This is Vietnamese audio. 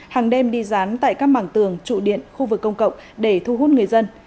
hàng đêm đi rán tại các bảng tường trụ điện khu vực công cộng để thu hút người dân